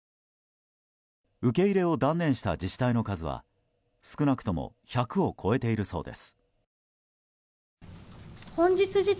受け入れを断念した自治体の数は少なくとも１００を超えているそうです。